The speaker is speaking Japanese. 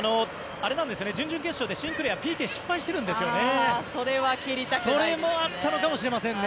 準々決勝でシンクレアＰＫを失敗しているんですよね。